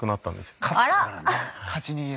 勝ち逃げ。